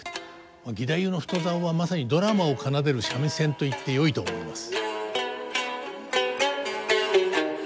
義太夫の太棹はまさにドラマを奏でる三味線といってよいと思います。